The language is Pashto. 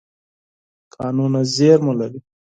کانونه زیرمه لري.